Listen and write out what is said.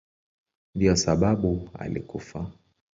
Ndiyo sababu alikufa.